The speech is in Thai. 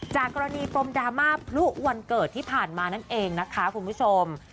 จากกรณีปมดราม่าพลุวันเกิดที่ผ่านมานั่นเองนะคะคุณผู้ชม